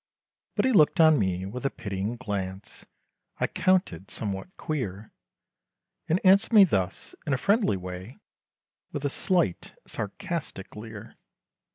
But he looked on me, with a pitying glance, I counted somewhat queer, And answered me thus, in a friendly way, With a slight sarcastic leer.